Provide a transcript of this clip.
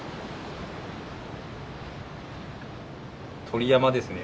鳥山ですね。